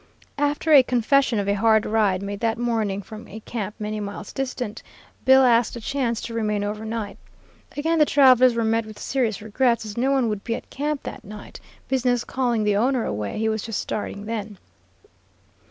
After a confession of a hard ride made that morning from a camp many miles distant, Bill asked the chance to remain over night. Again the travelers were met with serious regrets, as no one would be at camp that night, business calling the owner away; he was just starting then.